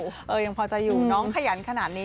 น้องขยันขนาดนี้เป็นกระบาดใจ